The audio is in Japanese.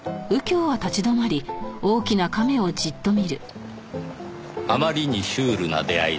あまりにシュールな出会いでした。